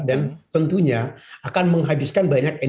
dan tentunya akan menghabiskan banyak keadaan